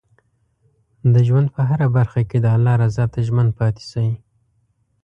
د ژوند په هره برخه کې د الله رضا ته ژمن پاتې شئ.